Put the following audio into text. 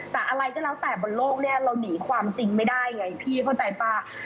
แต่อะไรก็แล้วแต่บนโลกเนี่ยเราหนีความจริงไม่ได้ไงพี่เข้าใจป่ะ